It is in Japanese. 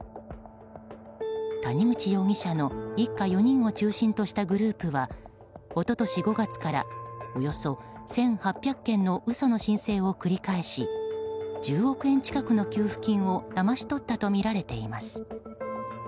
谷口容疑者の一家４人を中心としたグループは一昨年５月からおよそ１８００件の嘘の申請を繰り返し１０億円近くの給付金をだまし取ったとみられています。